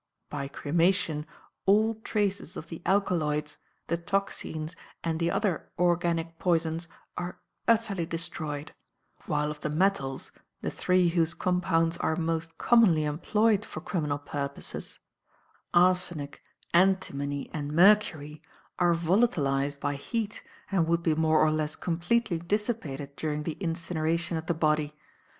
By cremation all traces of the alkaloids, the toxines and the other organic poisons are utterly destroyed, while of the metals, the three whose compounds are most commonly employed for criminal purposes arsenic, antimony and mercury are volatilized by heat and would be more or less completely dissipated during the incineration of the body.